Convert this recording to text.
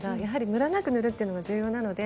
ムラなく塗るのが重要です。